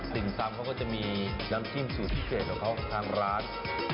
ตำเขาก็จะมีน้ำจิ้มสูตรพิเศษของเขาทางร้าน